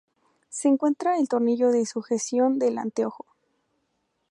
Se encuentra el tornillo de sujeción del anteojo.